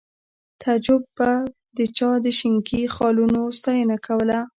تعجب به د چا د شینکي خالونو ستاینه کوله